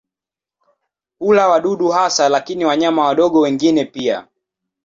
Hula wadudu hasa lakini wanyama wadogo wengine pia.